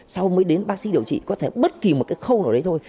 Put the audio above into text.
sau mới đến bác sĩ điều trị có thể bất kỳ một cái khâu nào đấy thôi